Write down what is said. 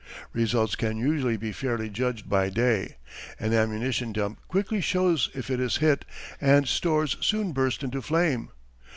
Results can usually be fairly judged by day. An ammunition dump quickly shows if it is hit and stores soon burst into flame.